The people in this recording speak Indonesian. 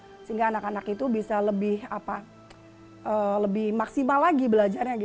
sehingga anak anak itu bisa lebih maksimal lagi belajarnya